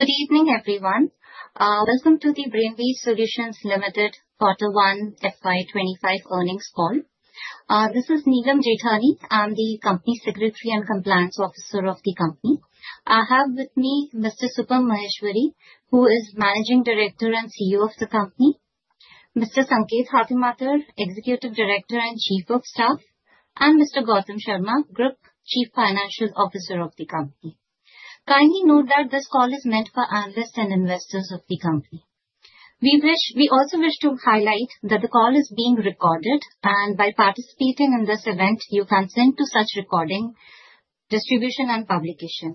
Good evening, everyone. Welcome to the Brainbees Solutions Limited Quarter One FY 2025 Earnings Call. This is Neelam Jethani. I'm the company secretary and compliance officer of the company. I have with me Mr. Supam Maheshwari, who is Managing Director and CEO of the company, Mr. Sanket Hattimattur, Executive Director and Chief of Staff, and Mr. Gautam Sharma, Group Chief Financial Officer of the company. Kindly note that this call is meant for analysts and investors of the company. We wish--we also wish to highlight that the call is being recorded, and by participating in this event, you consent to such recording, distribution, and publication.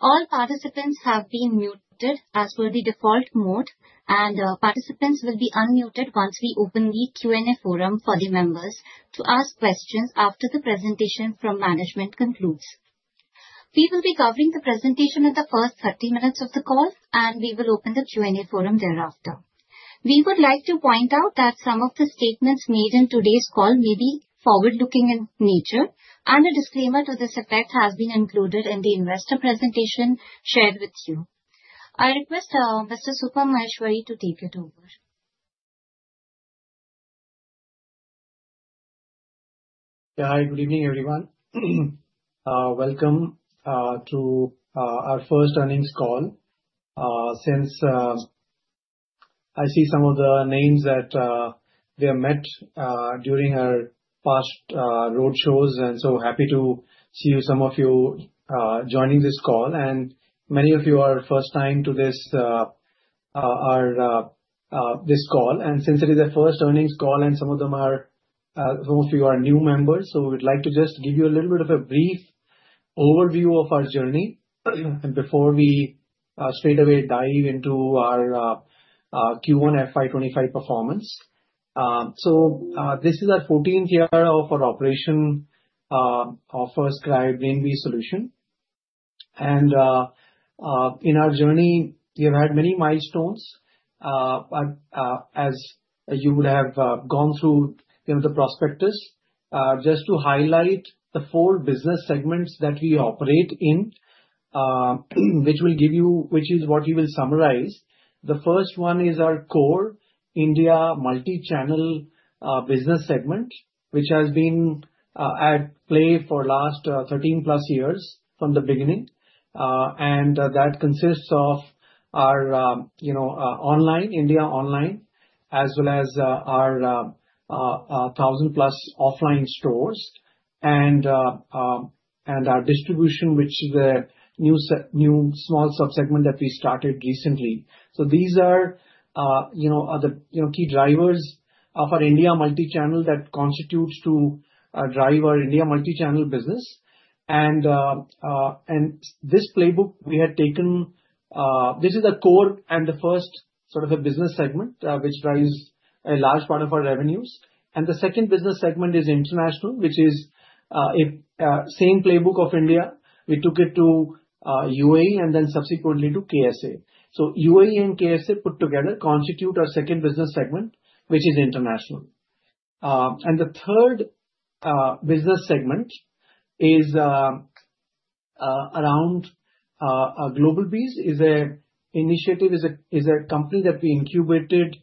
All participants have been muted as per the default mode, and participants will be unmuted once we open the Q&A forum for the members to ask questions after the presentation from management concludes. We will be covering the presentation in the first thirty minutes of the call, and we will open the Q&A forum thereafter. We would like to point out that some of the statements made in today's call may be forward-looking in nature, and a disclaimer to this effect has been included in the investor presentation shared with you. I request Mr. Supam Maheshwari to take it over. Yeah. Hi, good evening, everyone. Welcome to our first earnings call. Since I see some of the names that we have met during our past roadshows, and so happy to see some of you joining this call. And many of you are first time to this our this call, and since it is our first earnings call, and some of you are new members, so we'd like to just give you a little bit of a brief overview of our journey before we straightaway dive into our Q1 FY 2025 performance. So, this is our fourteenth year of our operation, our FirstCry Brainbees Solutions. In our journey, we have had many milestones, but as you would have gone through, you know, the prospectus. Just to highlight the four business segments that we operate in, which will give you, which is what we will summarize. The first one is our core India Multi-Channel business segment, which has been at play for last thirteen plus years from the beginning. And that consists of our, you know, online, India online, as well as our thousand plus offline stores and our distribution, which is a new small sub-segment that we started recently. So these are, you know, are the key drivers of our India Multi-Channel that constitutes to drive our India Multi-Channel business. And this playbook we have taken, this is a core and the first sort of a business segment, which drives a large part of our revenues. And the second business segment is International, which is a same playbook of India. We took it to UAE and then subsequently to KSA. So UAE and KSA put together constitute our second business segment, which is International. And the third business segment is around GlobalBees, is an initiative, is a company that we incubated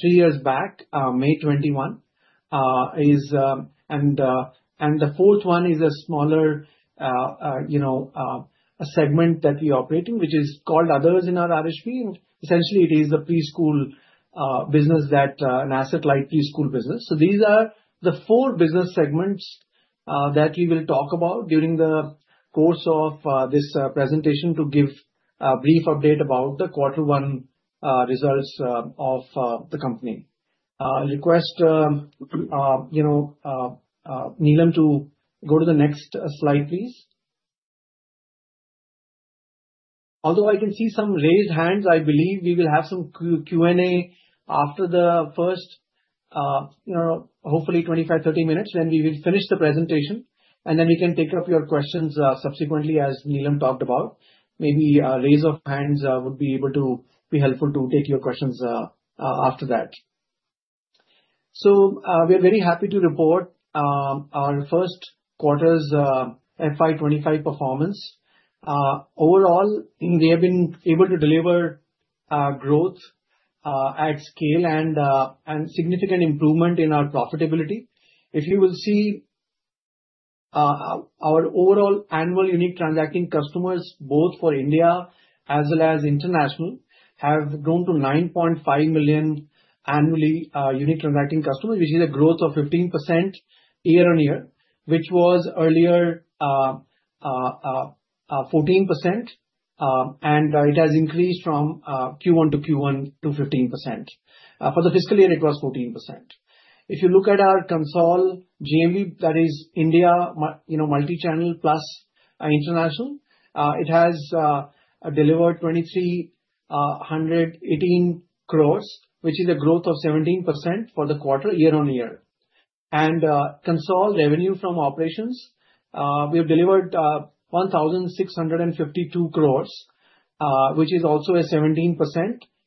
three years back, May 2021. And the fourth one is a smaller, you know, a segment that we operate in, which is called Others in our RHP. And essentially it is a Preschool business that an asset-light Preschool business. So these are the four business segments that we will talk about during the course of this presentation, to give a brief update about the Quarter One results of the company. I request you know Neelam to go to the next slide, please. Although I can see some raised hands, I believe we will have some Q&A after the first you know hopefully 25, 30 minutes, then we will finish the presentation, and then we can take up your questions subsequently, as Neelam talked about. Maybe a raise of hands would be able to be helpful to take your questions after that. So we are very happy to report our first quarter's FY 2025 performance. Overall, we have been able to deliver growth at scale and significant improvement in our profitability. If you will see, our overall annual unique transacting customers, both for India as well as International, have grown to 9.5 million annually, unique transacting customers, which is a growth of 15% year-on-year, which was earlier, 14%. And it has increased from Q1 to Q1 to 15%. For the fiscal year, it was 14%. If you look at our consolidated GMV, that is India, you know, multi-channel plus, International, it has delivered 2,318 crores, which is a growth of 17% for the quarter, year-on-year. Consolidated revenue from operations, we have delivered 1,652 crores, which is also a 17%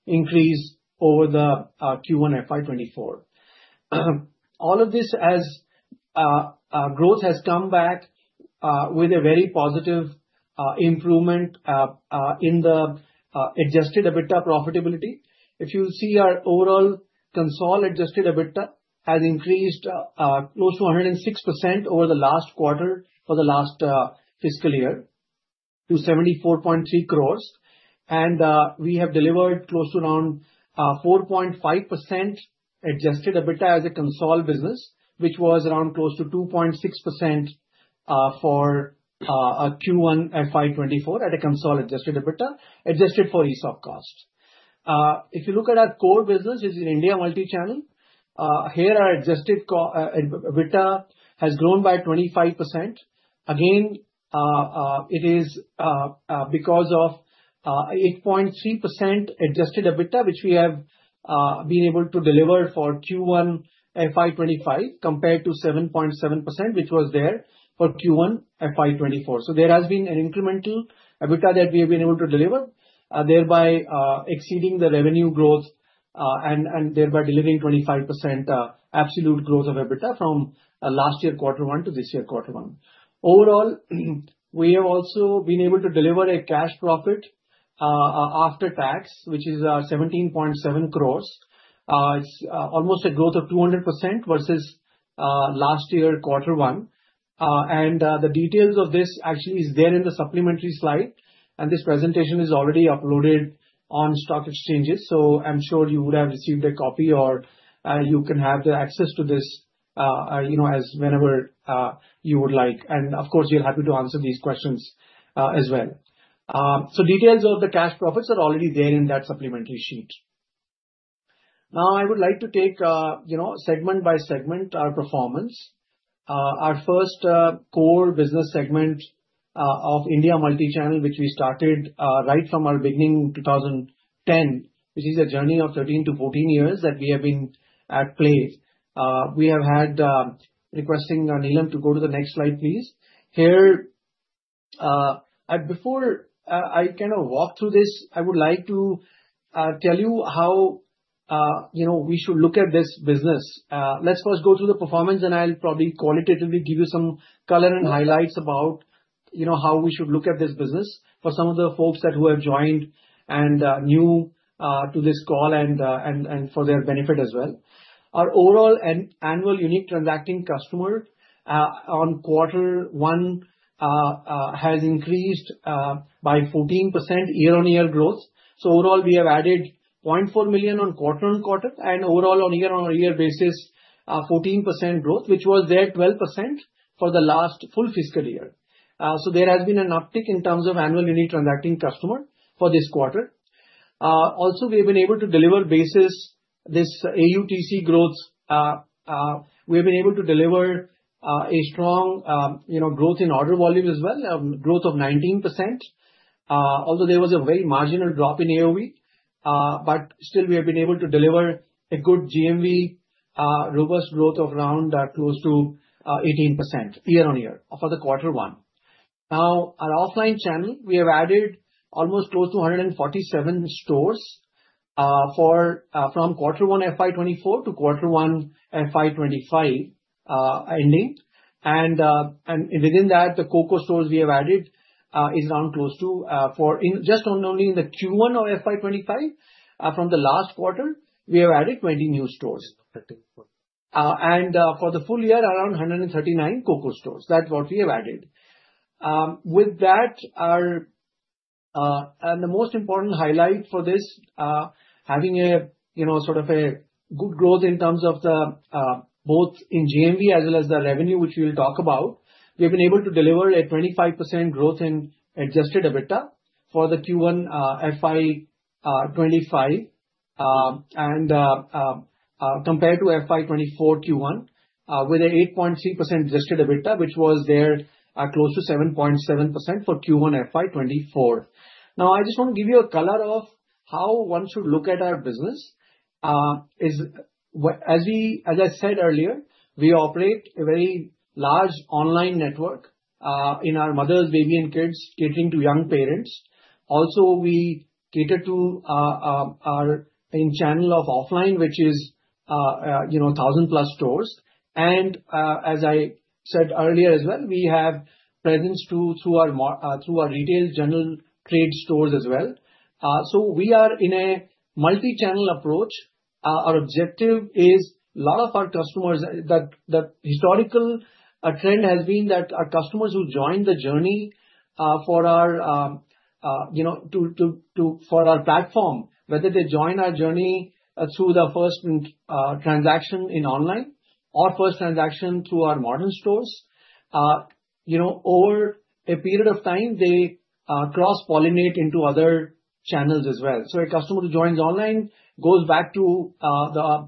increase over the Q1 FY 2024. All of this, as our growth has come back with a very positive improvement in the adjusted EBITDA profitability. If you see, our overall consolidated EBITDA has increased close to 106% over the last quarter for the last fiscal year, to 74.3 crores. We have delivered close to around 4.5% adjusted EBITDA as a consolidated business, which was around close to 2.6% for our Q1 FY 2024 at a consolidated EBITDA, adjusted for ESOP costs. If you look at our core business is in India Multi-Channel. Here our adjusted EBITDA has grown by 25%. Again, it is because of 8.3% adjusted EBITDA, which we have been able to deliver for Q1 FY 2025, compared to 7.7%, which was there for Q1 FY 2024. So there has been an incremental EBITDA that we have been able to deliver, thereby exceeding the revenue growth, and thereby delivering 25% absolute growth of EBITDA from last year quarter one to this year quarter one. Overall, we have also been able to deliver a cash profit after tax, which is 17.7 crores. It's almost a growth of 200% versus last year quarter one. And, the details of this actually is there in the supplementary slide, and this presentation is already uploaded on stock exchanges, so I'm sure you would have received a copy or you can have the access to this, you know, as whenever you would like. And of course, we're happy to answer these questions, as well. So details of the cash profits are already there in that supplementary sheet. Now, I would like to take you know, segment by segment, our performance. Our first core business segment of India Multi-Channel, which we started right from our beginning in two thousand and ten, which is a journey of thirteen to fourteen years that we have been at play. We have had... Requesting Neelam to go to the next slide, please. Here, and before I kind of walk through this, I would like to tell you how, you know, we should look at this business. Let's first go through the performance, and I'll probably qualitatively give you some color and highlights about, you know, how we should look at this business, for some of the folks that who have joined and are new to this call, and for their benefit as well. Our overall annual unique transacting customers on quarter one has increased by 14% year-on-year growth. So overall, we have added 0.4 million on quarter-on-quarter, and overall on a year-on-year basis, 14% growth, which was there 12% for the last full fiscal year. So there has been an uptick in terms of annual unique transacting customers for this quarter. Also, we have been able to deliver basis this AUTC growth. We have been able to deliver a strong, you know, growth in order volume as well, growth of 19%. Although there was a very marginal drop in AOV, but still we have been able to deliver a good GMV, robust growth of around, close to, 18% year-on-year for the quarter one. Now, our offline channel, we have added almost close to 147 stores, for from quarter one FY 2024 to quarter one FY 2025 ending. And within that, the COCO stores we have added is around close to 40. In just only in the Q1 of FY 2025, from the last quarter, we have added 20 new stores. For the full year, around 139 COCO stores. That's what we have added. With that, our and the most important highlight for this, having a, you know, sort of a good growth in terms of the, both in GMV as well as the revenue, which we will talk about. We've been able to deliver a 25% growth in adjusted EBITDA for the Q1 FY 2025, and compared to FY 2024 Q1, with a 8.3% adjusted EBITDA, which was there, close to 7.7% for Q1 FY 2024. Now, I just want to give you a color of how one should look at our business. Well, as I said earlier, we operate a very large online network in our mothers, baby and kids, catering to young parents. Also, we cater to our in-channel of offline, which is, you know, thousand-plus stores. And, as I said earlier as well, we have presence through our retail general trade stores as well. So we are in a multi-channel approach. Our objective is a lot of our customers, the historical trend has been that our customers who join the journey, for our, you know, for our platform. Whether they join our journey, through the first transaction in online or first transaction through our modern stores, you know, over a period of time, they cross-pollinate into other channels as well. So a customer who joins online goes back to the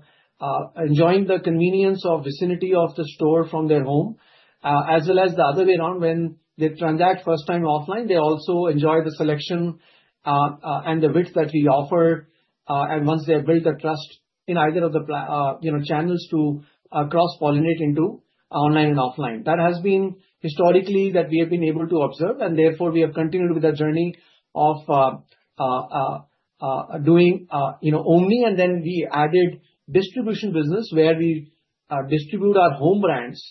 enjoying the convenience of vicinity of the store from their home as well as the other way around. When they transact first time offline, they also enjoy the selection and the width that we offer. And once they have built a trust in either of the you know channels to cross-pollinate into online and offline. That has been historically that we have been able to observe, and therefore we have continued with our journey of doing you know only and then we added distribution business, where we distribute our home brands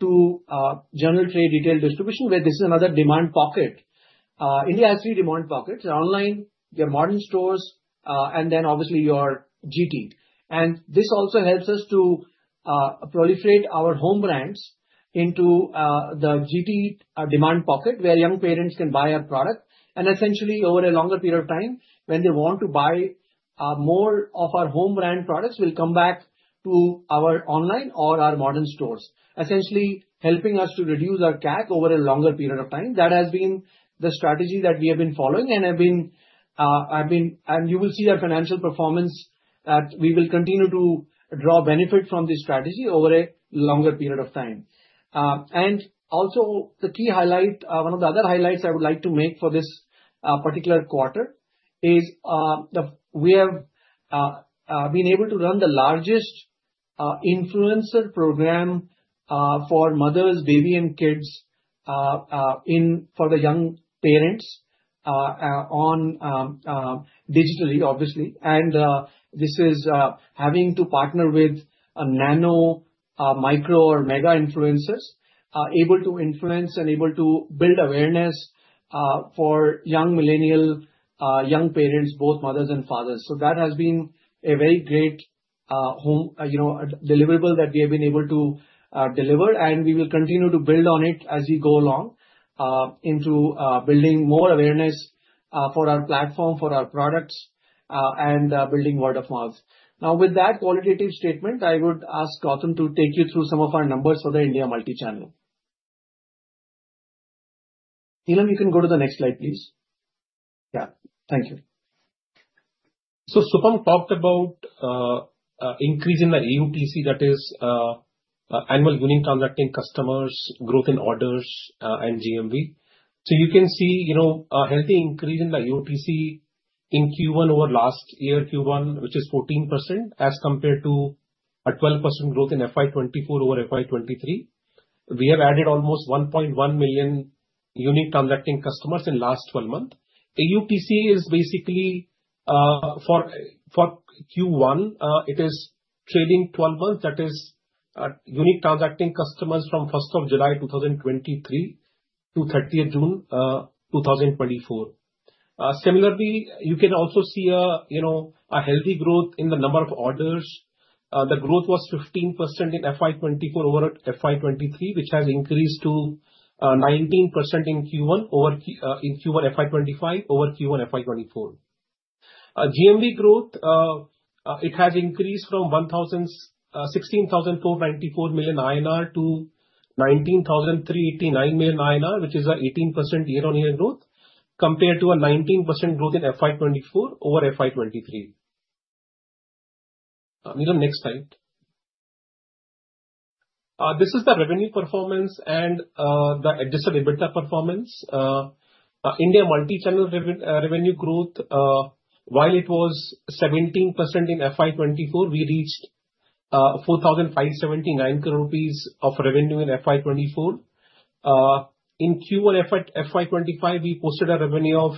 to general trade retail distribution, where this is another demand pocket. India has three demand pockets: online, your modern stores, and then obviously your GT. This also helps us to proliferate our home brands into the GT demand pocket, where young parents can buy our product, and essentially, over a longer period of time, when they want to buy more of our home brand products, will come back to our online or our modern stores. Essentially, helping us to reduce our CAC over a longer period of time. That has been the strategy that we have been following. You will see our financial performance. We will continue to draw benefit from this strategy over a longer period of time. And also the key highlight, one of the other highlights I would like to make for this particular quarter is the—we have been able to run the largest influencer program for mothers, baby, and kids in for the young parents on digitally, obviously. And this is having to partner with a nano micro or mega influencers able to influence and able to build awareness for young millennial young parents, both mothers and fathers. So that has been a very great home you know deliverable that we have been able to deliver, and we will continue to build on it as we go along into building more awareness for our platform, for our products, and building word-of-mouth. Now, with that qualitative statement, I would ask Gautam to take you through some of our numbers for the India multichannel. Neelam, you can go to the next slide, please. Yeah. Thank you. Supam talked about increase in the AUTC, that is, annual unique transacting customers, growth in orders, and GMV. You can see, you know, a healthy increase in the AUTC in Q1 over last year, Q1, which is 14%, as compared to a 12% growth in FY 2024 over FY 2023. We have added almost 1.1 million unique transacting customers in last 12 months. AUTC is basically, for Q1, it is trailing 12 months, that is, unique transacting customers from first of July 2023 to thirtieth June 2024. Similarly, you can also see a, you know, a healthy growth in the number of orders. The growth was 15% in FY 2024 over FY 2023, which has increased to 19% in Q1 FY 2025 over Q1 FY 2024. GMV growth, it has increased from sixteen thousand four ninety-four million INR to nineteen thousand three eighty-nine million INR, which is an 18% year-on-year growth, compared to a 19% growth in FY 2024 over FY 2023. Neelam, next slide. This is the revenue performance and the adjusted EBITDA performance. India Multi-Channel revenue growth, while it was 17% in FY 2024, we reached 4,579 crore rupees of revenue in FY 2024. In Q1 FY 2025, we posted a revenue of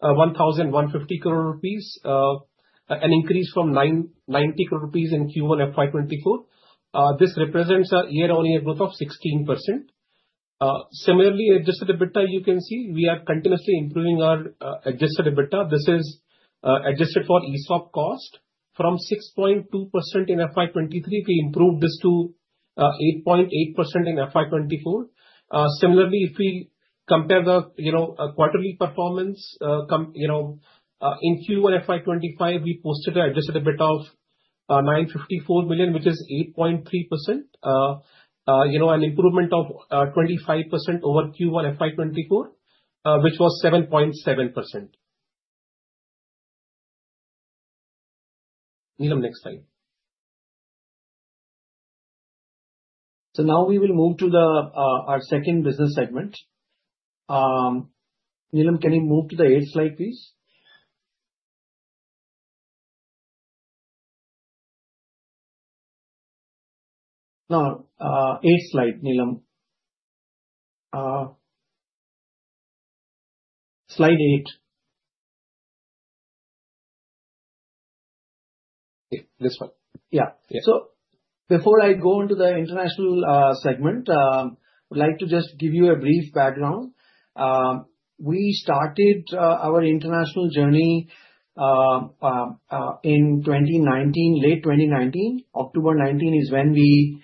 1,150 crore rupees, an increase from 990 crore rupees in Q1 FY 2024. This represents a year-on-year growth of 16%. Similarly, adjusted EBITDA, you can see, we are continuously improving our adjusted EBITDA. This is adjusted for ESOP cost from 6.2% in FY 2023, we improved this to 8.8% in FY 2024. Similarly, if we compare the, you know, quarterly performance, you know, in Q1 FY 2025, we posted an adjusted EBITDA of 954 million, which is 8.3%. You know, an improvement of 25% over Q1 FY 2024, which was 7.7%. Neelam, next slide. So now we will move to the our second business segment. Neelam, can you move to the eighth slide, please? No, eighth slide, Neelam. Slide eight. Yeah, this one. Yeah. Yeah. So before I go into the International segment, I'd like to just give you a brief background. We started our International journey in 2019, late 2019. October 2019 is when we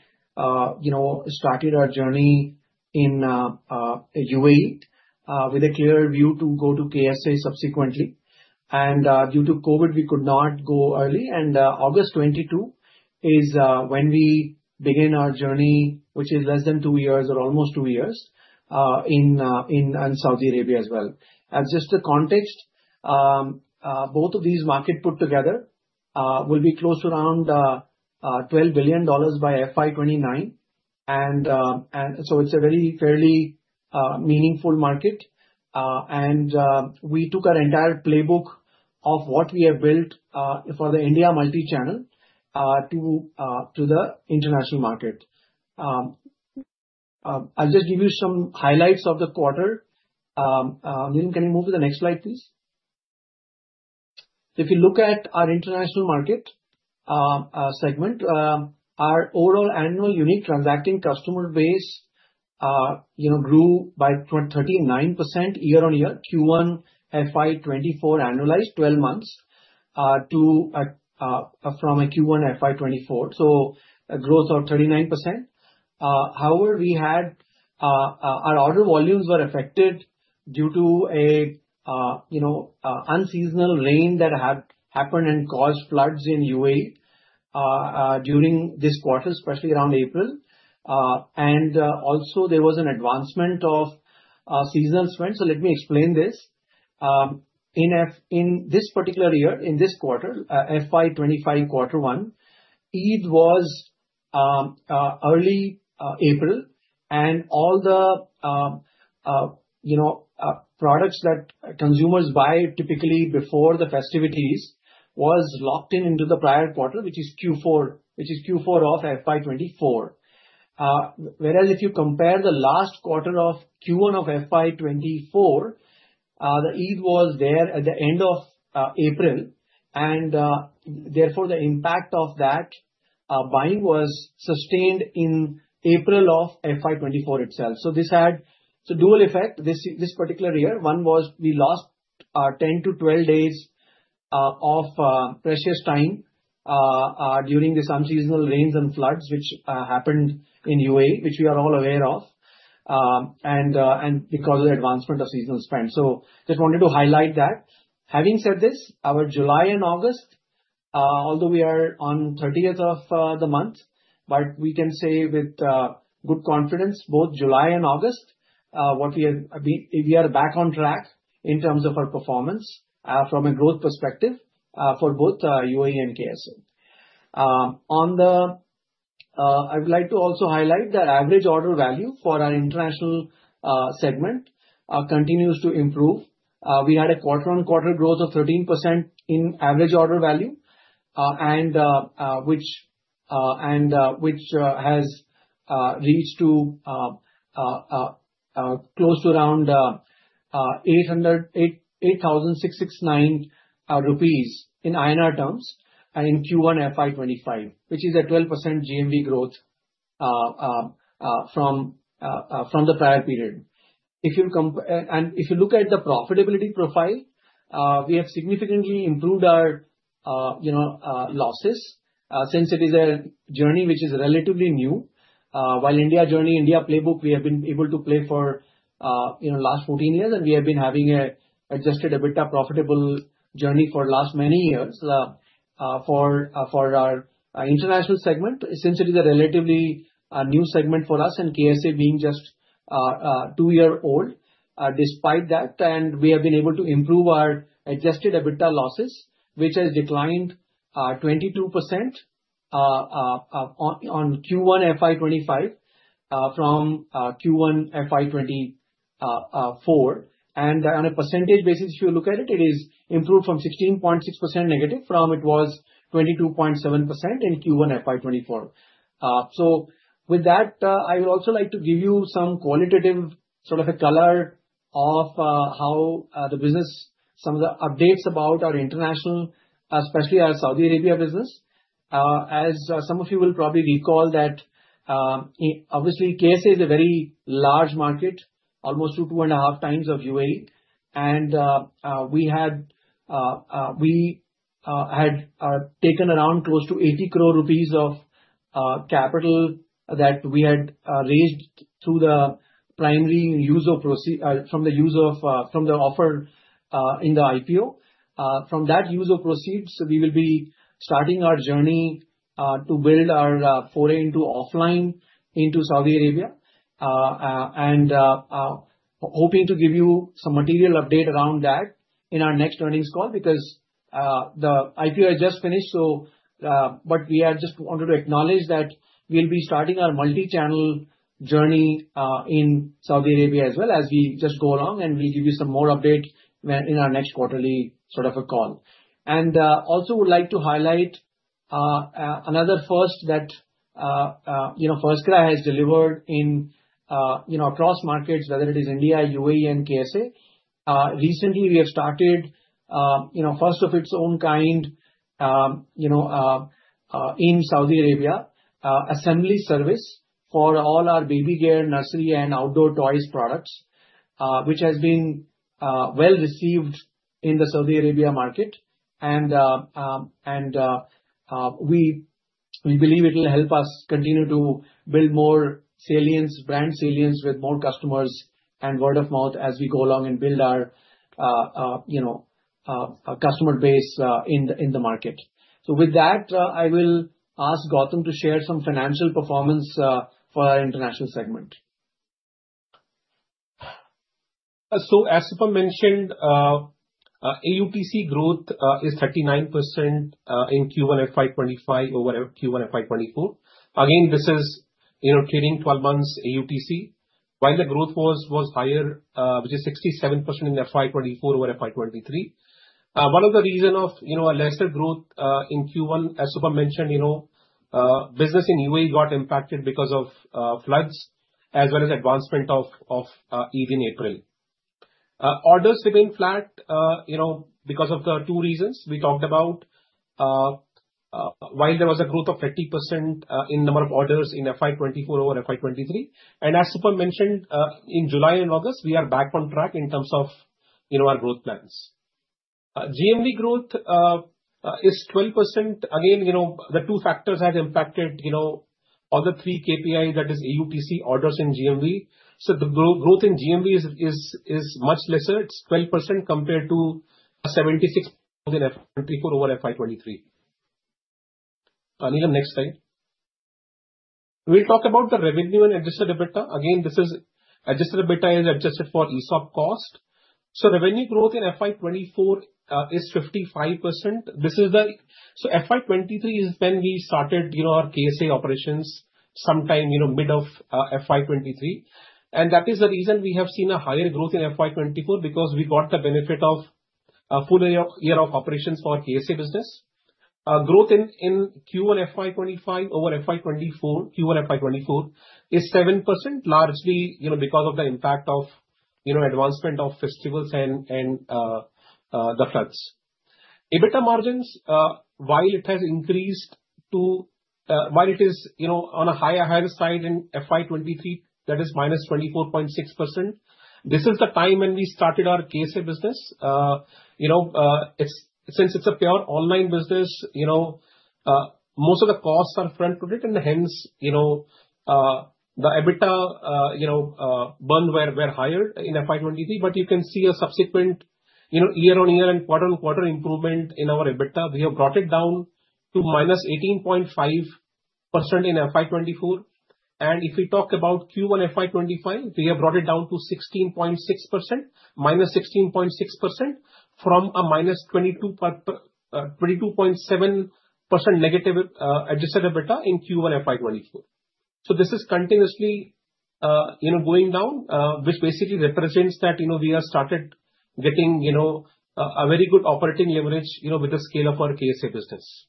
you know started our journey in UAE with a clear view to go to KSA subsequently. And due to COVID, we could not go early, and August 2022 is when we began our journey, which is less than two years or almost two years in Saudi Arabia as well. And just the context both of these market put together will be close to around $12 billion by FY 2029. And so it's a very fairly meaningful market. And we took our entire playbook of what we have built for the India multichannel to the International market.... I'll just give you some highlights of the quarter. Neelam, can you move to the next slide, please? If you look at our International market segment, our overall annual unique transacting customer base, you know, grew by 39% year-on-year, Q1 FY 2024 annualized 12 months to a from a Q1 FY 2024. So a growth of 39%. However, we had our order volumes were affected due to a you know, unseasonal rain that had happened and caused floods in UAE during this quarter, especially around April. And also there was an advancement of seasonal spend. So let me explain this. In a, in this particular year, in this quarter, FY 2025, Quarter One, Eid was early April, and all the, you know, products that consumers buy typically before the festivities was locked in into the prior quarter, which is Q4, which is Q4 of FY 2024. Whereas if you compare the last quarter of Q1 of FY 2024, the Eid was there at the end of April, and therefore, the impact of that buying was sustained in April of FY 2024 itself. So this had a dual effect, this particular year. One was we lost 10-12 days of precious time during this unseasonal rains and floods which happened in UAE, which we are all aware of, and because of the advancement of seasonal spend. So just wanted to highlight that. Having said this, our July and August, although we are on thirtieth of the month, but we can say with good confidence, both July and August, we are back on track in terms of our performance from a growth perspective for both UAE and KSA. On the, I would like to also highlight the average order value for our International segment continues to improve. We had a quarter on quarter growth of 13% in average order value, and which has reached to close to around 800. 8,669 rupees in INR terms and in Q1 FY 2025, which is a 12% GMV growth from the prior period. And if you look at the profitability profile, we have significantly improved our you know losses since it is a journey which is relatively new. While India journey, India playbook, we have been able to play for you know last 14 years, and we have been having an adjusted EBITDA profitable journey for last many years. For our International segment, since it is a relatively new segment for us and KSA being just two years old, despite that, and we have been able to improve our adjusted EBITDA losses, which has declined 22% on Q1 FY 2025 from Q1 FY 2024. On a percentage basis, if you look at it, it is improved from 16.6% negative from it was 22.7% in Q1 FY 2024. So with that, I would also like to give you some qualitative sort of a color of how the business, some of the updates about our International, especially our Saudi Arabia business. As some of you will probably recall that, obviously, KSA is a very large market, almost 2.5x of UAE. And we had taken around close to 80 crore rupees of capital that we had raised through the primary use of proceeds from the offer in the IPO. From that use of proceeds, we will be starting our journey to build our foray into offline into Saudi Arabia. And, hoping to give you some material update around that in our next earnings call, because the IPO has just finished, so but we just wanted to acknowledge that we'll be starting our Multi-Channel journey in Saudi Arabia as well, as we just go along, and we'll give you some more update in our next quarterly sort of a call. Also would like to highlight another first that you know, FirstCry has delivered in you know, across markets, whether it is India, UAE, and KSA. Recently we have started you know, first of its own kind in Saudi Arabia, assembly service for all our baby gear, nursery, and outdoor toys products, which has been well received in the Saudi Arabia market. We believe it'll help us continue to build more salience, brand salience with more customers and word of mouth as we go along and build our you know customer base in the market. With that, I will ask Gautam to share some financial performance for our International segment. As Supam mentioned, AUTC growth is 39% in Q1 FY 2025 over Q1 FY 2024. Again, this is, you know, trailing 12 months AUTC. While the growth was, was higher, which is 67% in FY 2024 over FY 2023, one of the reason of, you know, a lesser growth in Q1, as Supam mentioned, you know, business in UAE got impacted because of floods, as well as advancement of Eid in April. Orders remain flat, you know, because of the two reasons we talked about. While there was a growth of 30% in number of orders in FY 2024 over FY 2023, and as Supam mentioned, in July and August, we are back on track in terms of, you know, our growth plans. GMV growth is 12%. Again, you know, the two factors has impacted, you know, all the three KPI, that is AUTC, orders and GMV. So the growth in GMV is much lesser. It's 12% compared to 76% in FY 2024 over FY 2023. Neelam, next slide. We'll talk about the revenue and adjusted EBITDA. Again, this is adjusted EBITDA is adjusted for ESOP cost. So revenue growth in FY 2024 is 55%. This is so FY 2023 is when we started, you know, our KSA operations sometime, you know, mid of FY 2023. And that is the reason we have seen a higher growth in FY 2024, because we got the benefit of a full year of operations for KSA business. Growth in Q1 FY 2025 over Q1 FY 2024 is 7%, largely, you know, because of the impact of, you know, advancement of festivals and the floods. EBITDA margins, while it is, you know, on a higher side in FY 2023, that is -24.6%, this is the time when we started our KSA business. Since it's a pure online business, you know, most of the costs are frontloaded, and hence, you know, the EBITDA burn was higher in FY 2023. But you can see a subsequent, you know, year-on-year and quarter-on-quarter improvement in our EBITDA. We have brought it down to -18.5% in FY 2024, and if we talk about Q1 FY 2025, we have brought it down to 16.6%, -16.6%, from a -22.7% negative, adjusted EBITDA in Q1 FY 2024. So this is continuously, you know, going down, which basically represents that, you know, we have started getting, you know, a very good operating leverage, you know, with the scale of our KSA business.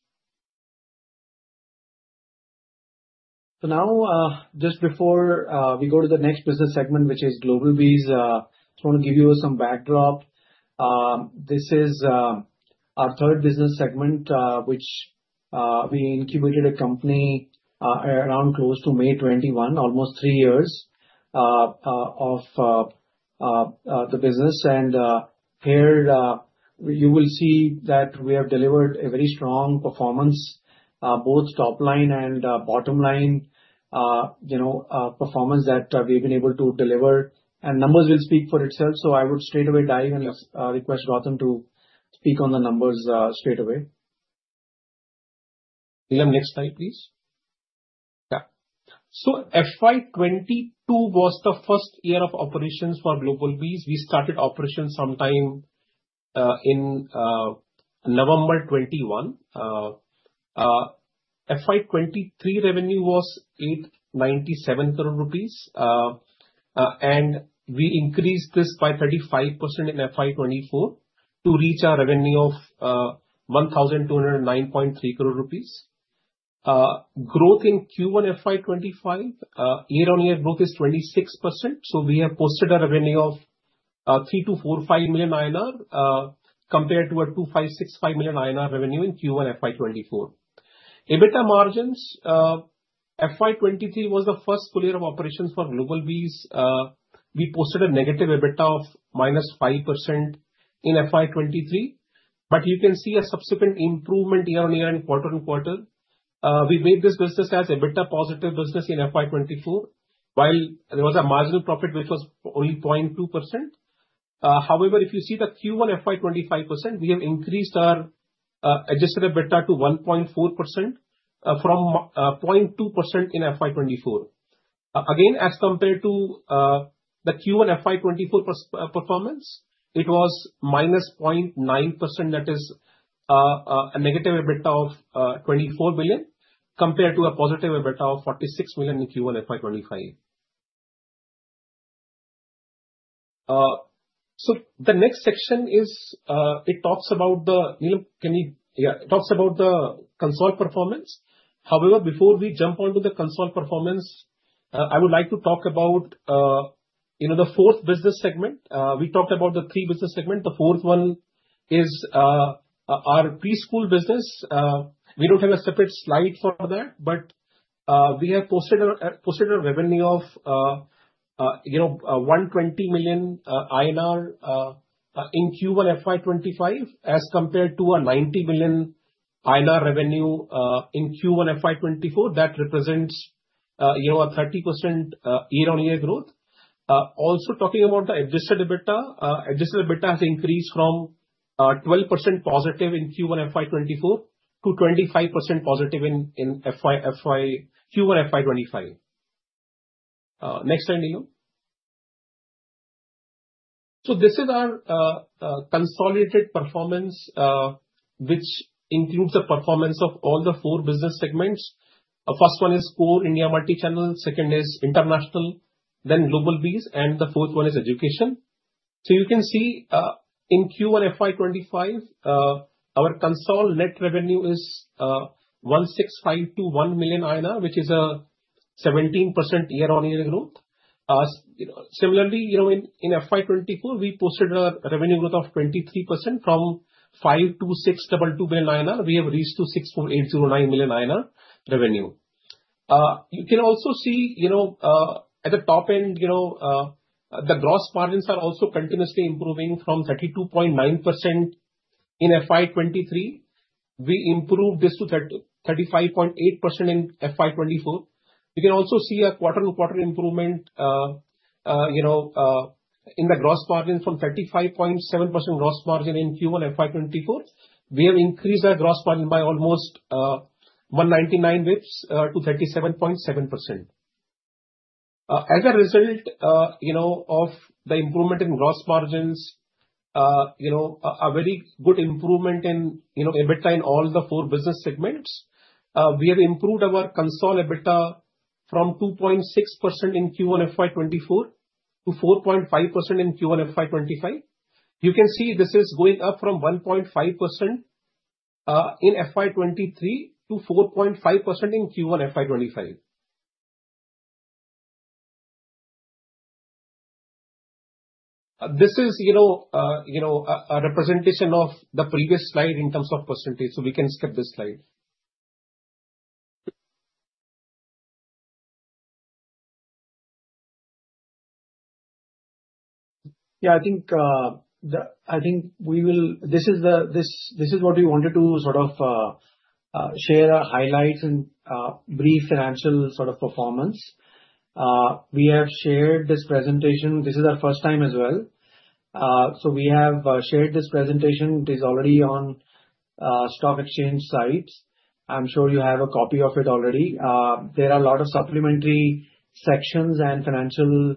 So now, just before, we go to the next business segment, which is GlobalBees, I just want to give you some backdrop. This is our third business segment, which we incubated a company around close to May 2021, almost three years of the business. And here you will see that we have delivered a very strong performance both top line and bottom line, you know, performance that we've been able to deliver. And numbers will speak for itself, so I would straightaway dive and request Pratik Rathi to speak on the numbers straightaway. Neelam, next slide, please. Yeah. So FY 2022 was the first year of operations for GlobalBees. We started operations sometime in November 2021. FY 2023 revenue was 897 crore rupees, and we increased this by 35% in FY 2024 to reach our revenue of INR 1,209.3 crore. Growth in Q1 FY 2025, year-on-year growth is 26%, so we have posted a revenue of 324.5 million INR, compared to a 256.5 million INR revenue in Q1 FY 2024. EBITDA margins. FY 2023 was the first full year of operations for GlobalBees. We posted a negative EBITDA of -5% in FY 2023, but you can see a subsequent improvement year-on-year and quarter on quarter. We made this business as EBITDA positive business in FY 2024, while there was a marginal profit, which was only 0.2%. However, if you see the Q1 FY 2025, we have increased our adjusted EBITDA to 1.4%, from 0.2% in FY 2024. Again, as compared to the Q1 FY 2024 performance, it was -0.9%. That is a negative EBITDA of 24 billion, compared to a positive EBITDA of 46 million in Q1 FY 2025. So the next section is it talks about the consolidated performance. Neelam, can you- yeah, it talks about the consolidated performance. However, before we jump on to the consolidated performance, I would like to talk about, you know, the fourth business segment. We talked about the three business segment. The fourth one is our Preschool business. We don't have a separate slide for that, but we have posted a revenue of 120 million INR in Q1 FY 2025, as compared to a 90 million INR revenue in Q1 FY 2024. That represents, you know, a 30% year-on-year growth. Also talking about the adjusted EBITDA, adjusted EBITDA has increased from 12% positive in Q1 FY 2024 to 25% positive in Q1 FY 2025. Next slide, Neelam. So this is our consolidated performance, which includes the performance of all the four business segments. First one is Core India Multichannel, second is International, then GlobalBees, and the fourth one is Education. So you can see, in Q1 FY 2025, our consolidated net revenue is 1,652.1 million INR, which is a 17% year-on-year growth. You know, similarly, you know, in FY 2024, we posted a revenue growth of 23% from 526.22 million INR. We have reached to 648.09 million INR revenue. You can also see, you know, at the top end, you know, the gross margins are also continuously improving from 32.9% in FY 2023. We improved this to 35.8% in FY 2024. You can also see a quarter-on-quarter improvement, you know, in the gross margin from 35.7% gross margin in Q1 FY 2024. We have increased our gross margin by almost 199 basis points to 37.7%. As a result, you know, of the improvement in gross margins, you know, a very good improvement in, you know, EBITDA in all the four business segments. We have improved our consolidated EBITDA from 2.6% in Q1 FY 2024 to 4.5% in Q1 FY 2025. You can see this is going up from 1.5% in FY 2023 to 4.5% in Q1 FY 2025. This is, you know, you know, a representation of the previous slide in terms of percentage, so we can skip this slide. Yeah, I think we will. This is what we wanted to sort of share our highlights and brief financial sort of performance. We have shared this presentation. This is our first time as well. So we have shared this presentation. It is already on stock exchange sites. I'm sure you have a copy of it already. There are a lot of supplementary sections and financial,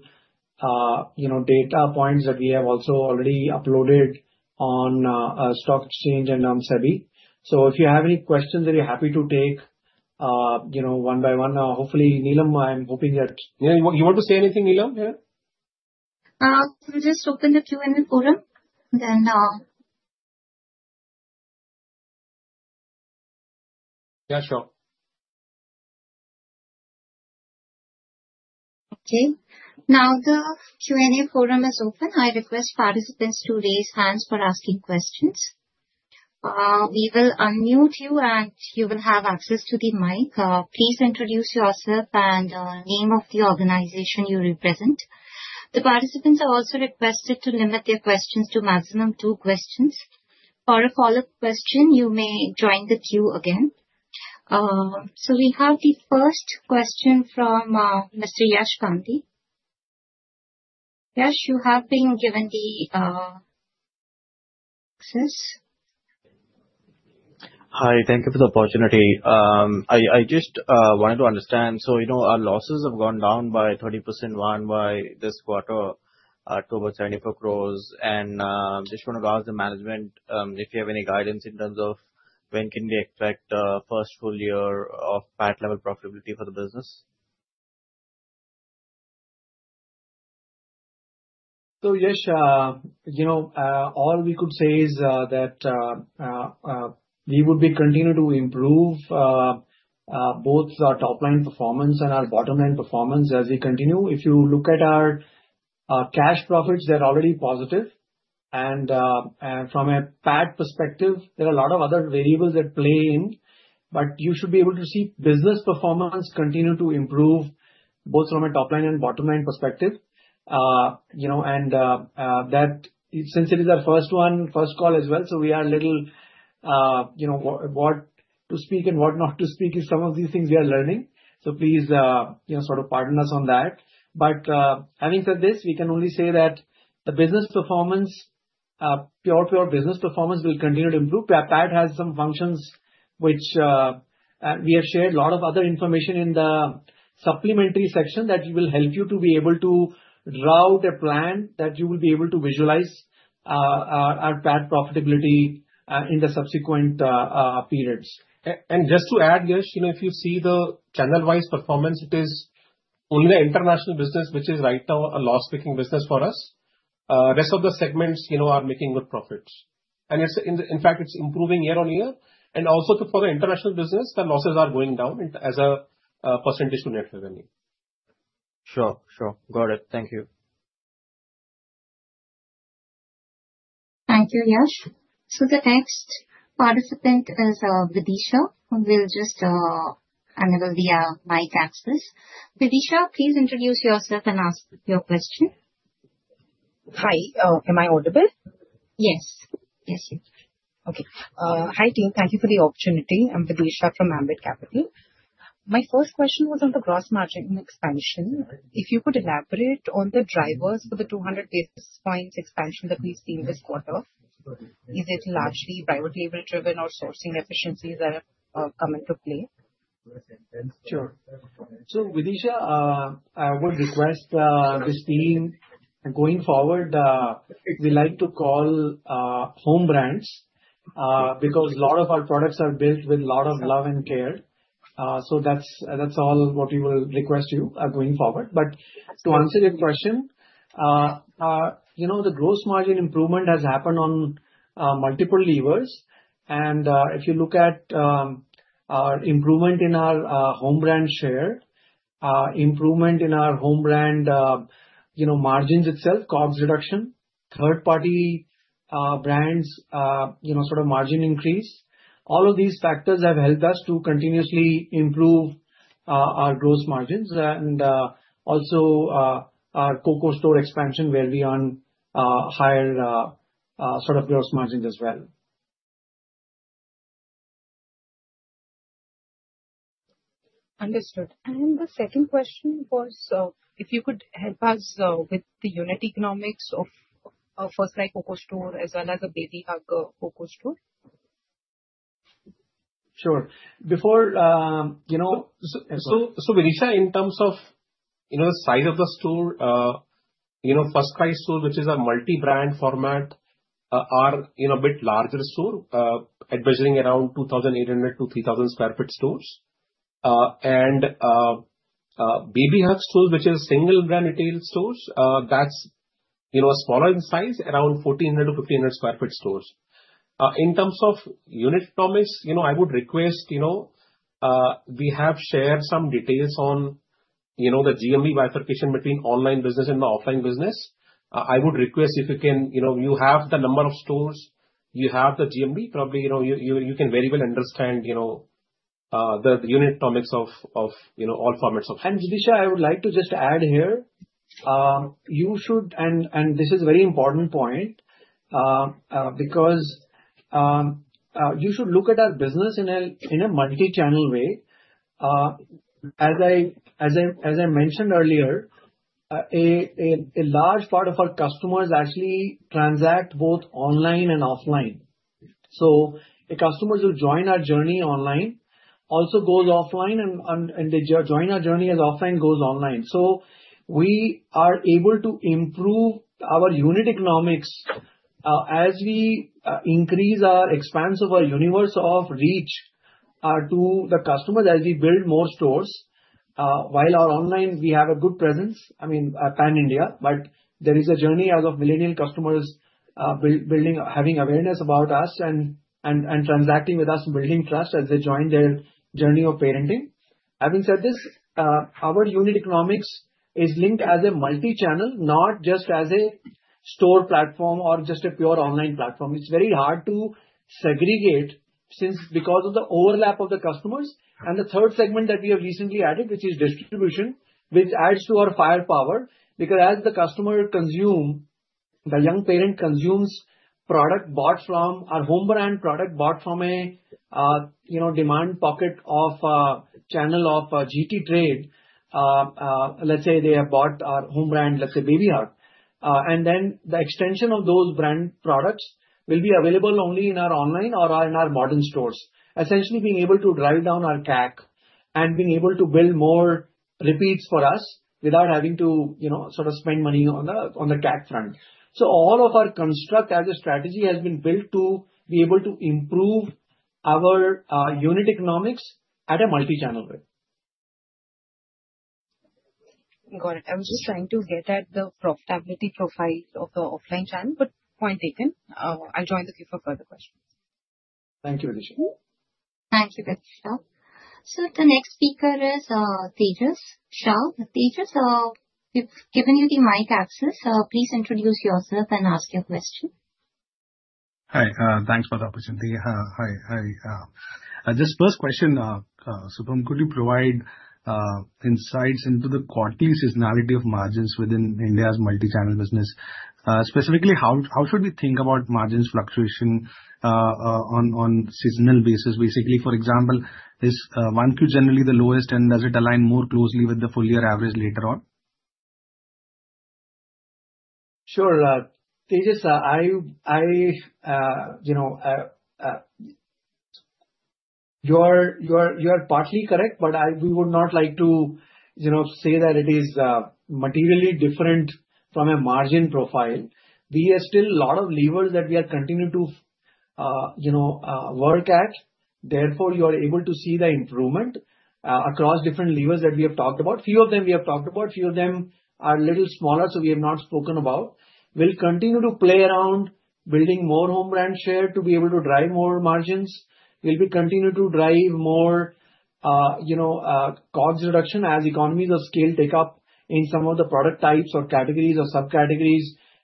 you know, data points that we have also already uploaded on a stock exchange and on SEBI. So if you have any questions, we're happy to take, you know, one by one. Hopefully, Neelam, I'm hoping that... Yeah, you want to say anything, Neelam, here? We just open the Q&A forum, then. Yeah, sure. Okay. Now, the Q&A forum is open. I request participants to raise hands for asking questions. We will unmute you, and you will have access to the mic. Please introduce yourself and name of the organization you represent. The participants are also requested to limit their questions to maximum two questions. For a follow up question, you may join the queue again. So we have the first question from Mr. Yash Gandhi. Yash, you have been given the access. Hi. Thank you for the opportunity. I just wanted to understand, so you know, our losses have gone down by 30% month-on-month this quarter, to about 74 crores, and just want to ask the management, if you have any guidance in terms of when can we expect first full year of PAT level profitability for the business? So, Yash, you know, all we could say is that we would be continue to improve both our top line performance and our bottom line performance as we continue. If you look at our cash profits, they're already positive. And from a PAT perspective, there are a lot of other variables at play in, but you should be able to see business performance continue to improve both from a top-line and bottom-line perspective. You know, and that since it is our first one, first call as well, so we are a little you know what to speak and what not to speak in some of these things we are learning. So please, you know, sort of pardon us on that. But, having said this, we can only say that the business performance, pure business performance will continue to improve. Our PAT has some functions which we have shared a lot of other information in the supplementary section, that will help you to be able to route a plan that you will be able to visualize our PAT profitability in the subsequent periods. And just to add, Yash, you know, if you see the channel-wise performance, it is only the International business which is right now a loss-making business for us. Rest of the segments, you know, are making good profits. And it's, in fact, it's improving year-on-year, and also for the International business, the losses are going down as a percentage to net revenue. Sure, sure. Got it. Thank you. Thank you, Yash. So the next participant is Videesha. We'll just enable the mic access. Videesha, please introduce yourself and ask your question. Hi. Am I audible? Yes. Yes, you are. Okay. Hi, team. Thank you for the opportunity. I'm Videesha from Ambit Capital. My first question was on the gross margin expansion. If you could elaborate on the drivers for the 200 basis points expansion that we've seen this quarter, is it largely private label driven or sourcing efficiencies that have come into play?... Sure. So Videesha, I would request, this team going forward, we like to call, home brands, because a lot of our products are built with lot of love and care. So that's, that's all what we will request you, going forward. But to answer your question, you know, the gross margin improvement has happened on, multiple levers. And, if you look at, our improvement in our, home brand share, improvement in our home brand, you know, margins itself, COGS reduction, third party, brands, you know, sort of margin increase. All of these factors have helped us to continuously improve, our gross margins. And, also, our COCO store expansion will be on, higher, sort of gross margins as well. Understood. And the second question was, if you could help us, with the unit economics of our first like COCO store as well as a Babyhug, COCO store? Sure. Before, you know... So, Videesha, in terms of, you know, size of the store, you know, FirstCry store, which is a Multi-brand format, are a bit larger store, averaging around 2,800-3,000 sq ft stores. And, Babyhug stores, which is single brand retail stores, that's, you know, smaller in size, around 1,400-1,500 sq ft stores. In terms of unit economics, you know, I would request, you know, we have shared some details on, you know, the GMV bifurcation between online business and the offline business. I would request if you can... You know, you have the number of stores, you have the GMV, probably, you know, you can very well understand, you know, the unit economics of, you know, all formats of... Videesha, I would like to just add here. You should, and this is a very important point, because you should look at our business in a Multi-Channel way. As I mentioned earlier, a large part of our customers actually transact both online and offline. So the customers who join our journey online also goes offline and they join our journey as offline, goes online. So we are able to improve our unit economics, as we increase our expanse of our universe of reach to the customers as we build more stores. While our online, we have a good presence, I mean, pan-India, but there is a journey as of millennial customers, building, having awareness about us and transacting with us, building trust as they join their journey of parenting. Having said this, our unit economics is linked as a Multi-Channel, not just as a store platform or just a pure online platform. It's very hard to segregate since because of the overlap of the customers. And the third segment that we have recently added, which is distribution, which adds to our firepower. Because as the customer consume, the young parent consumes product bought from a home brand, product bought from a, you know, demand pocket of, channel of, GT trade. Let's say they have bought our home brand, let's say Babyhug, and then the extension of those brand products will be available only in our online or in our modern stores. Essentially being able to drive down our CAC and being able to build more repeats for us without having to, you know, sort of spend money on the CAC front. So all of our construct as a strategy has been built to be able to improve our unit economics at a Multi-channel way. Got it. I was just trying to get at the profitability profile of the offline channel, but point taken. I'll join the queue for further questions. Thank you, Videesha. Thank you, Videesha. So the next speaker is Tejas Shah. Tejas, we've given you the mic access, please introduce yourself and ask your question. Hi, thanks for the opportunity. Just first question, Supam, could you provide insights into the quarterly seasonality of margins within India's multi-channel business? Specifically, how should we think about margins fluctuation on seasonal basis? Basically, for example, is one Q generally the lowest, and does it align more closely with the full year average later on? Sure, Tejas, you know, you are partly correct, but we would not like to, you know, say that it is materially different from a margin profile. We have still a lot of levers that we are continuing to, you know, work at. Therefore, you are able to see the improvement across different levers that we have talked about. Few of them we have talked about, few of them are a little smaller, so we have not spoken about. We'll continue to play around building more home brand share to be able to drive more margins. We'll continue to drive more, you know, COGS reduction as economies of scale take up in some of the product types or categories or subcategories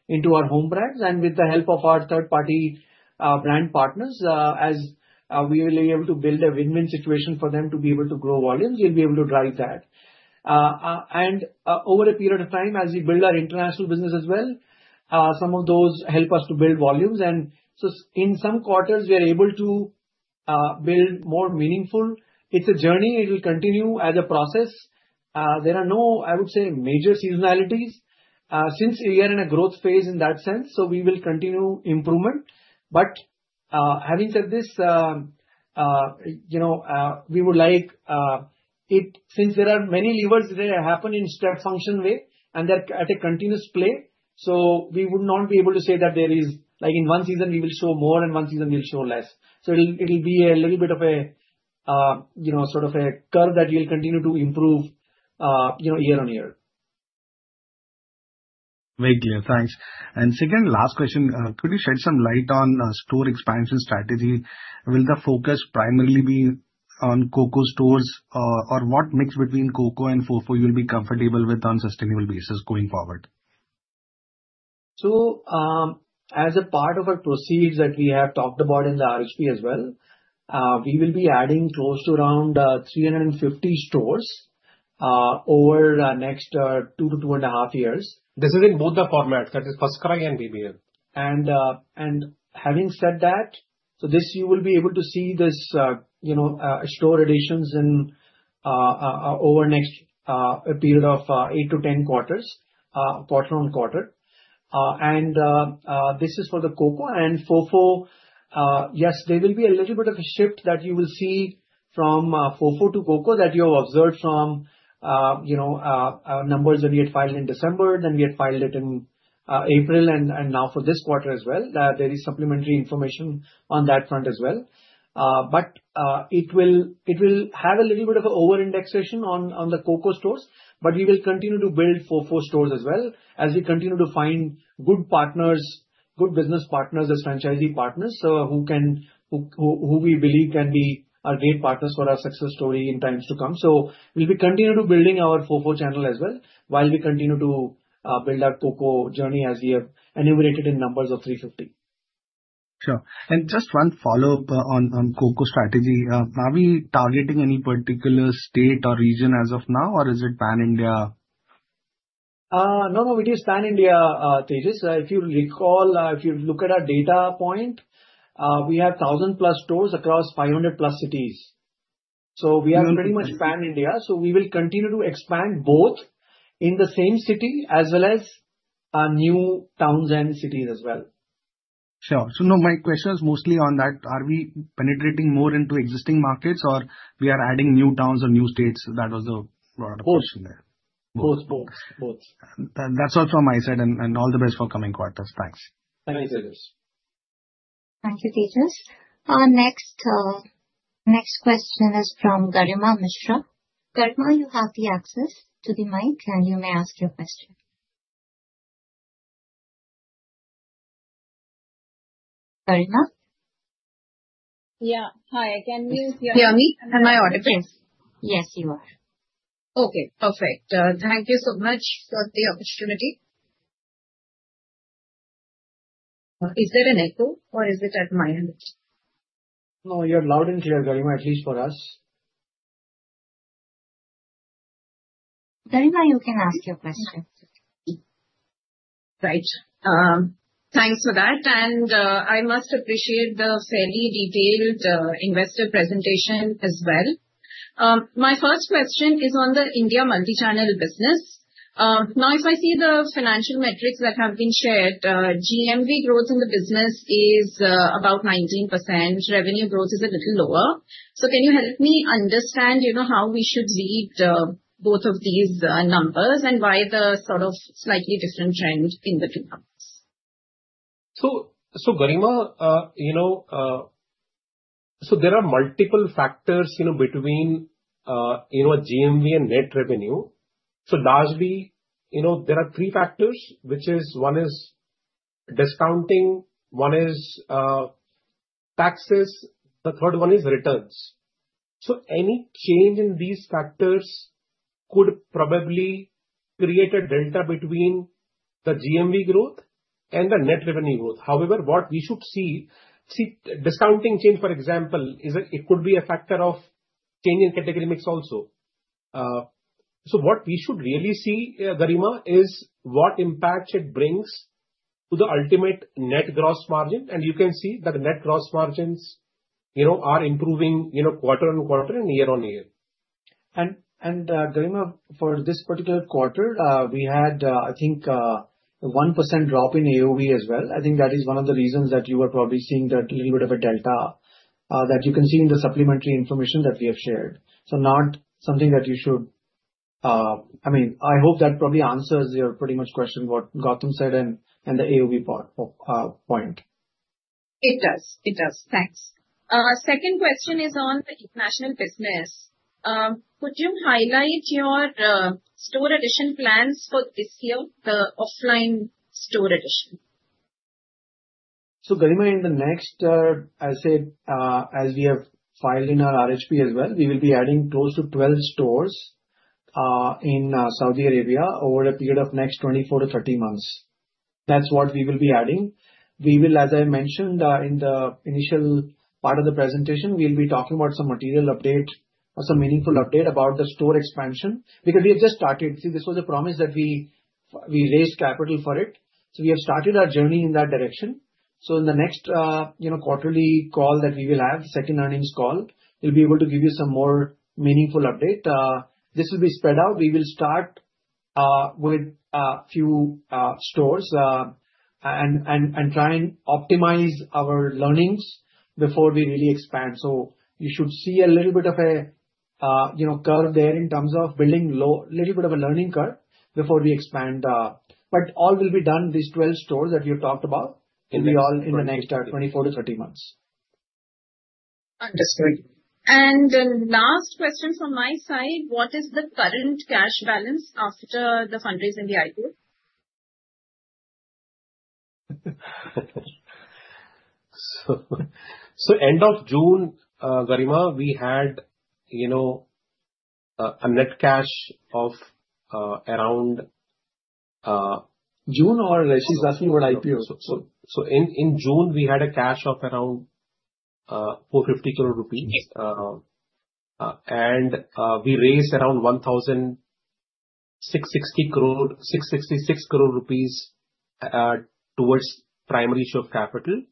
into our home brands. And with the help of our third party brand partners, as we will be able to build a win-win situation for them to be able to grow volumes, we'll be able to drive that. And over a period of time, as we build our International business as well, some of those help us to build volumes. And so in some quarters, we are able to build more meaningful. It's a journey, it will continue as a process. There are no, I would say, major seasonalities. Since we are in a growth phase in that sense, so we will continue improvement. But, having said this, you know, we would like, since there are many levers that happen in step function way, and they're at a continuous play, so we would not be able to say that there is, like in one season we will show more and one season we will show less. So it'll be a little bit of a, you know, sort of a curve that we'll continue to improve, you know, year-on-year. Very clear. Thanks. And second last question, could you shed some light on store expansion strategy? Will the focus primarily be on COCO stores? Or what mix between COCO and FOFO you'll be comfortable with on sustainable basis going forward? As a part of our proceeds that we have talked about in the RHP as well, we will be adding close to around 350 stores over the next 2 to 2.5 years. This is in both the formats, that is, FirstCry and [Babyhug]. And having said that, so you will be able to see this, you know, store additions over next period of eight to 10 quarters, quarter on quarter. This is for the COCO. And FOFO, yes, there will be a little bit of a shift that you will see from FOFO to COCO that you have observed from, you know, numbers that we had filed in December, then we had filed it in April, and now for this quarter as well, that there is supplementary information on that front as well. It will have a little bit of an over-indexation on the COCO stores, but we will continue to build FOFO stores as well as we continue to find good partners, good business partners as franchisee partners, so who we believe can be our great partners for our success story in times to come. We'll be continue to building our FOFO channel as well, while we continue to build our COCO journey as we have enumerated in numbers of 350. Sure. And just one follow up, on COCO strategy. Are we targeting any particular state or region as of now, or is it pan-India? No, no, it is pan-India, Tejas. If you recall, if you look at our data point, we have 1,000-plus stores across 500-plus cities. So we are pretty much pan-India, so we will continue to expand both in the same city as well as new towns and cities as well. Sure. So, no, my question is mostly on that: Are we penetrating more into existing markets, or we are adding new towns or new states? That was the question there. Both. Both, both, both. That's all from my side, and all the best for coming quarters. Thanks. Thank you, Tejas. Thank you, Tejas. Next question is from Garima Mishra. Garima, you have the access to the mic, and you may ask your question. Garima? Yeah. Hi, can you hear me? Am I audible? Yes, you are. Okay, perfect. Thank you so much for the opportunity. Is there an echo or is it at my end? No, you're loud and clear, Garima, at least for us. Garima, you can ask your question. Right. Thanks for that, and I must appreciate the fairly detailed investor presentation as well. My first question is on the India multichannel business. Now, if I see the financial metrics that have been shared, GMV growth in the business is about 19%, revenue growth is a little lower. So can you help me understand, you know, how we should read both of these numbers and why the sort of slightly different trend in the two numbers? So, Garima, you know, so there are multiple factors, you know, between, you know, GMV and net revenue. So largely, you know, there are three factors, which is, one is discounting, one is, taxes, the third one is returns. So any change in these factors could probably create a delta between the GMV growth and the net revenue growth. However, what we should see. See, discounting change, for example, is a, it could be a factor of change in category mix also. So what we should really see, Garima, is what impact it brings to the ultimate net gross margin, and you can see that the net gross margins, you know, are improving, you know, quarter on quarter and year-on-year. Garima, for this particular quarter, we had, I think, a 1% drop in AOV as well. I think that is one of the reasons that you are probably seeing that little bit of a delta that you can see in the supplementary information that we have shared. So not something that you should... I mean, I hope that probably answers your pretty much question, what Gautam said in the AOV part, point. It does. It does. Thanks. Second question is on the International business. Could you highlight your store addition plans for this year, the offline store addition? Garima, in the next, I'll say, as we have filed in our RHP as well, we will be adding close to 12 stores in Saudi Arabia over a period of next 24-30 months. That's what we will be adding. We will, as I mentioned, in the initial part of the presentation, we'll be talking about some material update or some meaningful update about the store expansion, because we have just started. See, this was a promise that we raised capital for it, so we have started our journey in that direction.... So in the next, you know, quarterly call that we will have, second earnings call, we'll be able to give you some more meaningful update. This will be spread out. We will start with a few stores and try and optimize our learnings before we really expand. So you should see a little bit of a, you know, curve there in terms of building little bit of a learning curve before we expand, but all will be done. These 12 stores that we've talked about will be all in the next 24-30 months. Understood That's right. Last question from my side, what is the current cash balance after the fundraising, the IPO? So end of June, Garima, we had, you know, a net cash of around. This is after our IPO. In June, we had a cash of around 450 crore rupees. And we raised around 1,660 crore, 1,666 crore rupees towards primary issue of capital.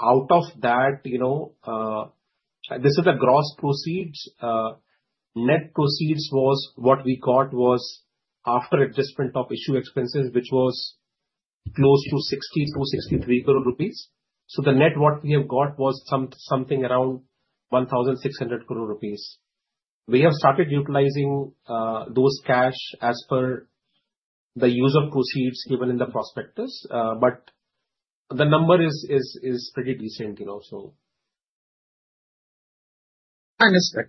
Out of that, you know, this is the gross proceeds. Net proceeds was what we got was after adjustment of issue expenses, which was close to 60-63 crore rupees. So the net what we have got was something around 1,600 crore rupees. We have started utilizing those cash as per the use of proceeds given in the prospectus, but the number is pretty decent, you know, so. Understood.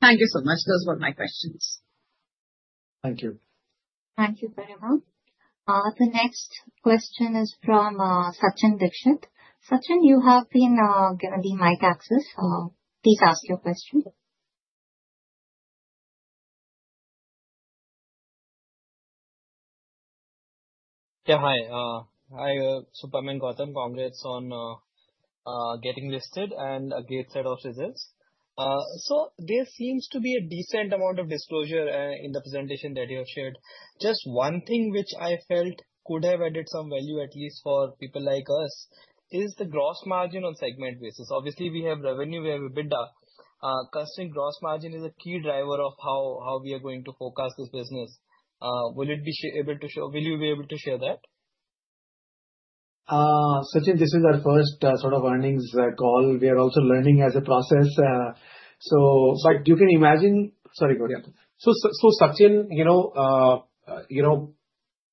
Thank you so much. Those were my questions. Thank you. Thank you, Garima. The next question is from Sachin Dixit. Sachin, you have been given the mic access, please ask your question. Yeah, hi. Hi, Supam and Gautam. Congrats on getting listed and a great set of results. So there seems to be a decent amount of disclosure in the presentation that you have shared. Just one thing which I felt could have added some value, at least for people like us, is the gross margin on segment basis. Obviously, we have revenue, we have EBITDA. Customer gross margin is a key driver of how we are going to forecast this business. Will you be able to share that? Sachin, this is our first sort of earnings call. We are also learning as a process. So- Sorry. You can imagine. Sorry, go ahead. So, Sachin, you know, you know,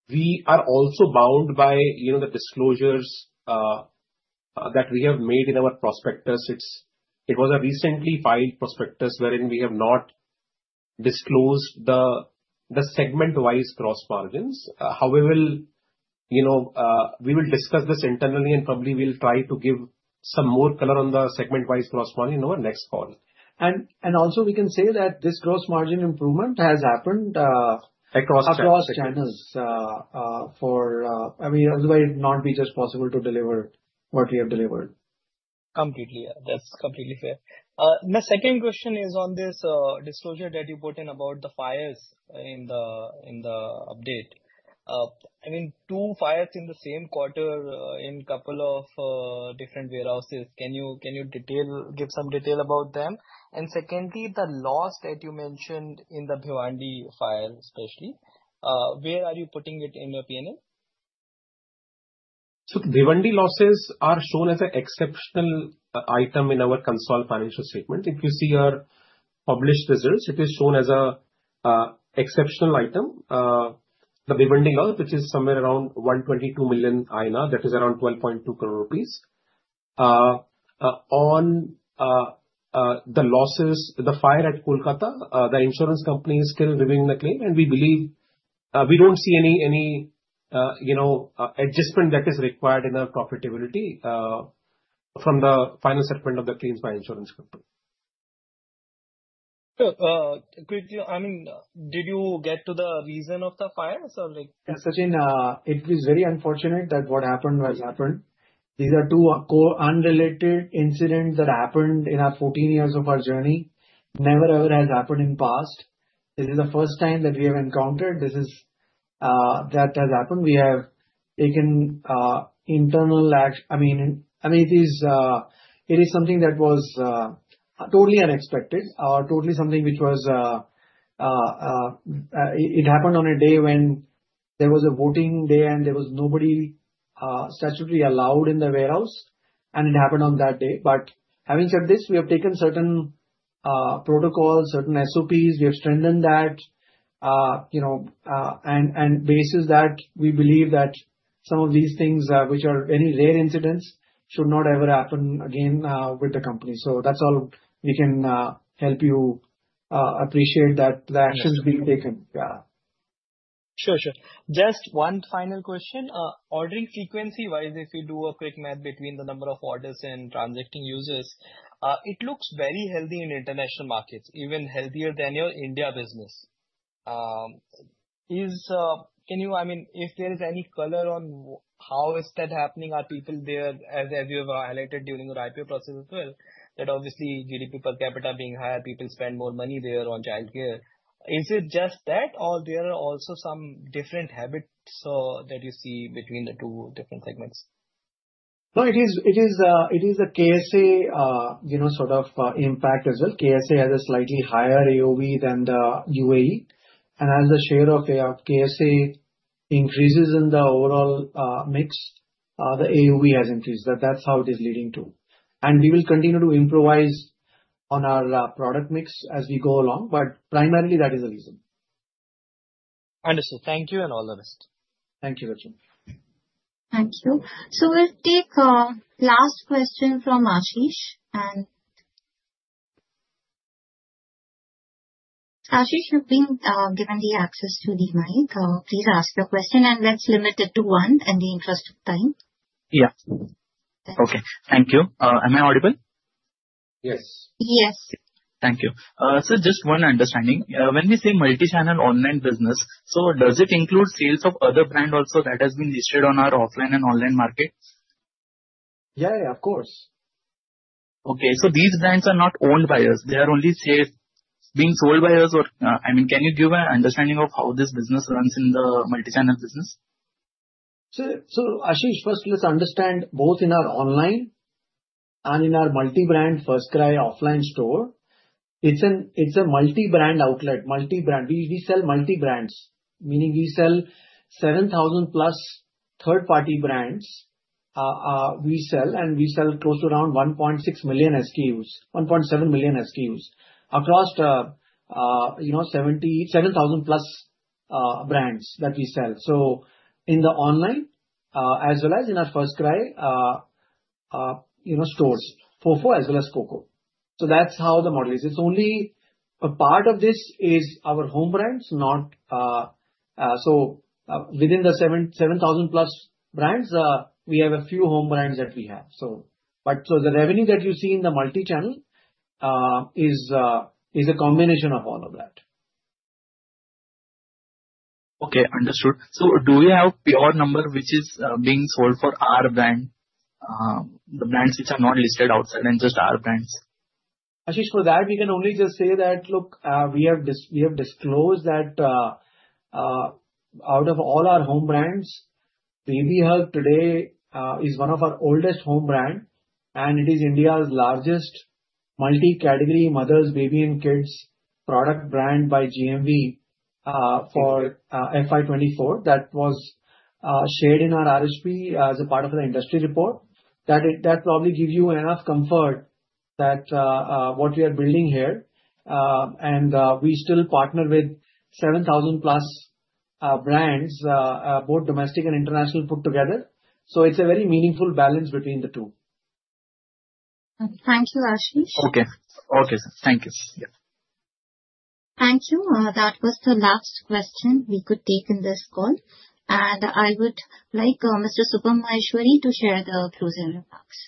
we are also bound by, you know, the disclosures that we have made in our prospectus. It was a recently filed prospectus wherein we have not disclosed the segment-wise gross margins. However, we will, you know, we will discuss this internally, and probably we'll try to give some more color on the segment-wise gross margin in our next call. And also we can say that this gross margin improvement has happened. Across channels. Across channels, I mean, otherwise it would not be just possible to deliver what we have delivered. Completely, yeah. That's completely fair. My second question is on this disclosure that you put in about the fires in the update. I mean, two fires in the same quarter, in couple of different warehouses, can you detail, give some detail about them? And secondly, the loss that you mentioned in the Bhiwandi fire especially, where are you putting it in your P&L? Bhiwandi losses are shown as an exceptional item in our consolidated financial statement. If you see our published results, it is shown as an exceptional item. The Bhiwandi loss, which is somewhere around 122 million INR, that is around 12.2 crore rupees. On the losses, the fire at Kolkata, the insurance company is still reviewing the claim, and we believe, we don't see any you know adjustment that is required in our profitability, from the final settlement of the claims by insurance company. Could you... I mean, did you get to the reason of the fires or like- Yeah, Sachin, it was very unfortunate that what happened has happened. These are two completely unrelated incidents that happened in our fourteen years of our journey. Never, ever has happened in past. This is the first time that we have encountered this is, that has happened. I mean, it is something that was totally unexpected, totally something which was it happened on a day when there was a voting day, and there was nobody statutory allowed in the warehouse, and it happened on that day. But having said this, we have taken certain protocols, certain SOPs. We have strengthened that, you know, and bases that we believe that some of these things, which are very rare incidents, should not ever happen again with the company. So that's all we can help you appreciate that the actions being taken. Yeah. Sure, sure. Just one final question. Ordering frequency-wise, if you do a quick math between the number of orders and transacting users, it looks very healthy in International markets, even healthier than your India business. I mean, if there is any color on how is that happening? Are people there, as you have highlighted during your IPO process as well, that obviously GDP per capita being higher, people spend more money there on childcare. Is it just that, or there are also some different habits that you see between the two different segments? No, it is the KSA, you know, sort of, impact as well. KSA has a slightly higher AOV than the UAE, and as the share of KSA increases in the overall mix, the AOV has increased. That, that's how it is leading to. And we will continue to improvise on our product mix as we go along, but primarily that is the reason. Understood. Thank you and all the best. Thank you, Sachin. Thank you. So we'll take last question from Ashish, and Ashish, you've been given the access to the mic. Please ask your question, and let's limit it to one in the interest of time. Yeah. Okay. Thank you. Am I audible? Yes. Yes. Thank you. So just one understanding. When we say Multi-channel online business, so does it include sales of other brand also that has been listed on our offline and online market? Yeah, yeah, of course. Okay, so these brands are not owned by us, they are only say, being sold by us or, I mean, can you give an understanding of how this business runs in the Multi-channel business? So, Ashish, first let's understand both in our online and in our multi-brand FirstCry offline store, it's a multi-brand outlet. multi-brand. We sell multi brands, meaning we sell seven thousand plus third-party brands. We sell and we sell close to around 1.6 million SKUs, 1.7 million SKUs across, you know, 77,000 plus brands that we sell. So in the online, as well as in our FirstCry, you know, stores. FOFO as well as COCO. So that's how the model is. It's only a part of this is our home brands, not... So, within the seven thousand plus brands, we have a few home brands that we have. But the revenue that you see in the multi-channel is a combination of all of that. Okay, understood. So do we have pure number which is being sold for our brand, the brands which are not listed outside and just our brands? Ashish, for that, we can only just say that, look, we have disclosed that, out of all our home brands, Babyhug today is one of our oldest home brand, and it is India's largest multi-category mothers, baby and kids product brand by GMV for FY 2024. That was shared in our RHP as a part of the industry report. That probably gives you enough comfort that what we are building here, and we still partner with 7,000 plus brands both domestic and International put together. So it's a very meaningful balance between the two. Thank you, Ashish. Okay. Okay, sir. Thank you. Yeah. Thank you. That was the last question we could take in this call, and I would like, Mr. Supam Maheshwari to share the closing remarks.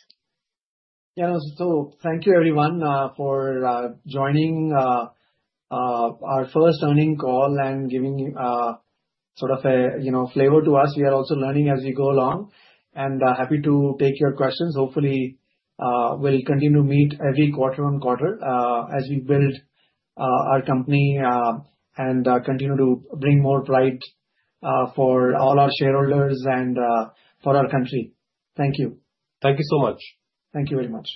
Yeah. So thank you, everyone, for joining our first earnings call and giving sort of a, you know, flavor to us. We are also learning as we go along, and happy to take your questions. Hopefully, we'll continue to meet every quarter on quarter as we build our company and continue to bring more pride for all our shareholders and for our country. Thank you. Thank you so much. Thank you very much.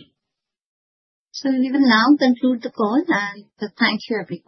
So we will now conclude the call, and thank you, everyone.